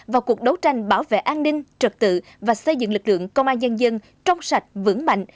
vào cuộc đấu tranh bảo vệ an ninh trật tự và xây dựng lực lượng công an nhân dân trong sạch vững mạnh